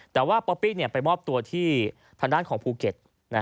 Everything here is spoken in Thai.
แต่ว่าป๊อปปี้ไปมอบตัวที่ทางด้านของภูเก็ต